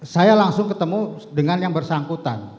saya langsung ketemu dengan yang bersangkutan